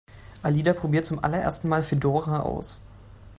Alida probiert zum allerersten Mal Fedora aus.